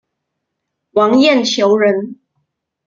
王晏球人。